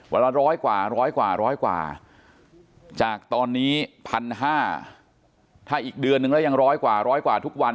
วันละร้อยกว่าร้อยกว่าร้อยกว่าจากตอนนี้๑๕๐๐ถ้าอีกเดือนนึงแล้วยังร้อยกว่าร้อยกว่าทุกวัน